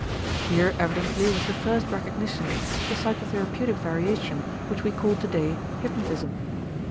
Here evidently was the first recognition of the psychotherapeutic variation which we call today hypnotism.